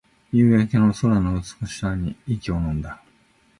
夕焼け空の美しさに息をのんだ